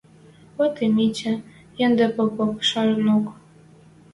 Вот и Митя! Ӹнде попок, шанок!